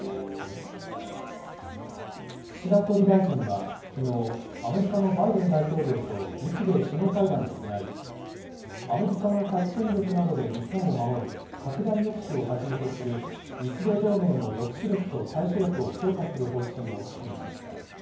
岸田総理大臣は、きのう、アメリカのバイデン大統領と日米首脳会談を行い、アメリカの核戦力などで日本を守る拡大抑止をはじめとする日米同盟の抑止力と対処力を強化する方針を確認しました。